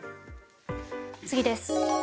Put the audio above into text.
次です。